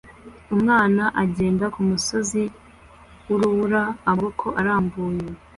Umwana agenda kumusozi wurubura amaboko arambuye